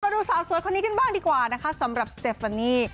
ดูสาวสวยคนนี้กันบ้างดีกว่านะคะสำหรับสเตฟานี่